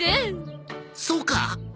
そうか？